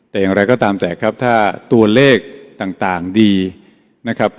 แต่อย่างไรก็ตามแต่ครับถ้าตัวเลขต่างดีนะครับ